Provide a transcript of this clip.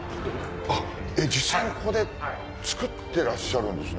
実際にここでつくってらっしゃるんですね？